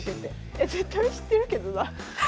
え絶対知ってるけどな。